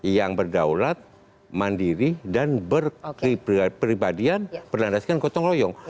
yang berdaulat mandiri dan berperibadian berlandaskan kotong royong